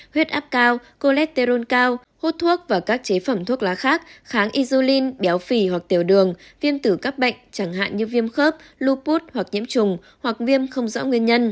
huyết áp cao coletteron cao hút thuốc và các chế phẩm thuốc lá khác kháng isulin béo phì hoặc tiểu đường viêm tử các bệnh chẳng hạn như viêm khớp lupot hoặc nhiễm trùng hoặc viêm không rõ nguyên nhân